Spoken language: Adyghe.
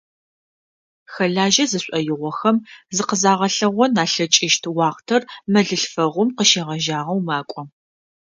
Хэлажьэ зышӏоигъохэм зыкъызагъэлъэгъон алъэкӏыщт уахътэр мэлылъфэгъум къыщегъэжьагъэу макӏо.